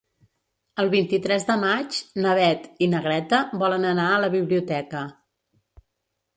El vint-i-tres de maig na Beth i na Greta volen anar a la biblioteca.